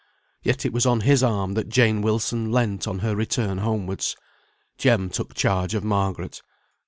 Yet it was on his arm that Jane Wilson leant on her return homewards. Jem took charge of Margaret.